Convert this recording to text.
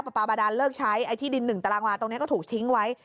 ปลาบาดานเลิกใช้ไอ้ที่ดิน๑ตารางวาตรงนี้ก็ถูกทิ้งไว้